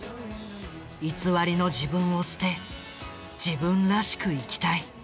偽りの自分を捨て自分らしく生きたい。